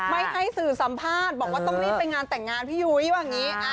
ไม่ให้สื่อสัมภาษณ์บอกว่าต้องรีบไปงานแต่งงานพี่ยุ้ยว่าอย่างนี้